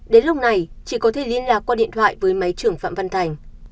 đến lúc này chị có thể liên lạc qua điện thoại với máy trưởng phạm văn thành